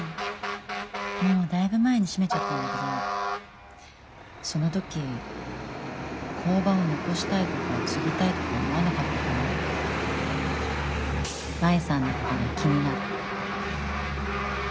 もうだいぶ前に閉めちゃったんだけどその時工場を残したいとか継ぎたいとか思わなかったから舞さんのことが気になる。